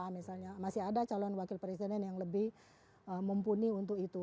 misalnya masih ada calon wakil presiden yang lebih mumpuni untuk itu